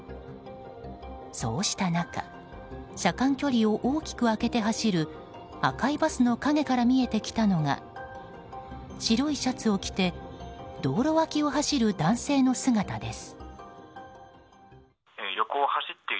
そうした中車間距離を大きく空けて走る赤いバスの陰から見えてきたのが白いシャツを着て道路脇を走る男性の姿です。